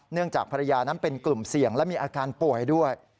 จากภรรยานั้นเป็นกลุ่มเสี่ยงและมีอาการป่วยด้วย